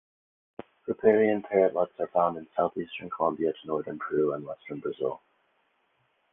Riparian parrotlets are found in southeastern Colombia to northern Peru and western Brazil.